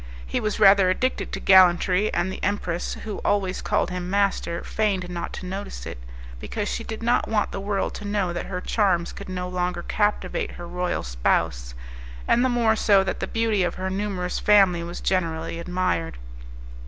He was rather addicted to gallantry, and the empress, who always called him master feigned not to notice it, because she did not want the world to know that her charms could no longer captivate her royal spouse, and the more so that the beauty of her numerous family was generally admired.